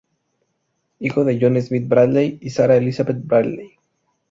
Hijo de John Smith Bradley y Sarah Elizabeth Bradley.